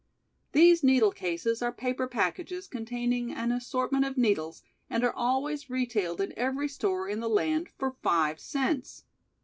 These needle cases are paper packages containing an assortment of needles and are always retailed in every store in the land for five cents.